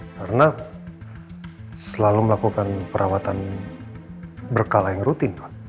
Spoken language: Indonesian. karena selalu melakukan perawatan berkala yang rutin pak